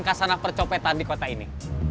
kasanah percopetan di kota ini